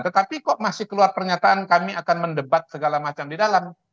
tetapi kok masih keluar pernyataan kami akan mendebat segala macam di dalam